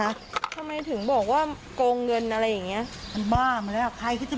ทำไมถึงทำไมถึงบอกว่ากงเงินอะไรอย่างเงี้ย